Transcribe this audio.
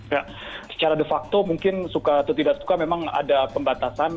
ya secara de facto mungkin suka atau tidak suka memang ada pembatasan